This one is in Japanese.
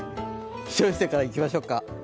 気象衛星からいきましょうか。